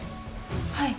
はい。